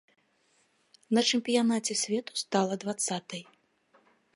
На чэмпіянаце свету стала дваццатай.